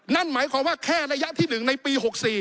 นั่นหมายความว่าแค่ระยะที่๑ในปี๖๔